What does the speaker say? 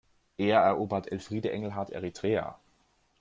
Eher erobert Elfriede Engelhart Eritrea!